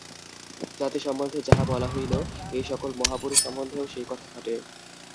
জাতি সম্বন্ধে যাহা বলা হইল, এই সকল মহাপুরুষ সম্বন্ধেও সেই কথা খাটে।